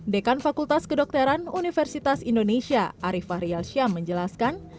dekan fakultas kedokteran universitas indonesia ariefah rial syam menjelaskan